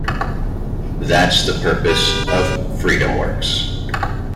That's the purpose of FreedomWorks.